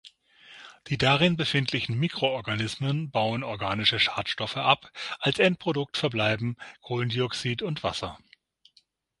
Die darin befindlichen Mikroorganismen bauen organische Schadstoffe ab, als Endprodukt verbleiben Kohlendioxid und Wasser.